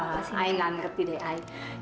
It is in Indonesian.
ayah ga ngerti deh ayah